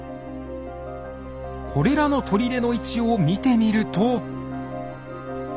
これらの砦の位置を見てみると。